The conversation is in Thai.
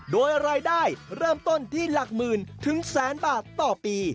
โดยรายได้เริ่มต้นที่หลักหมื่นถึงแสนบาทต่อปี